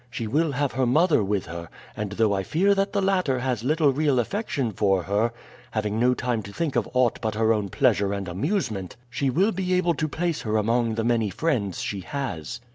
She will have her mother with her, and though I fear that the latter has little real affection for her, having no time to think of aught but her own pleasure and amusement, she will be able to place her among the many friends she has.